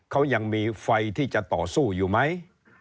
เขายังมีไฟที่จะต่อสู้อยู่ไหม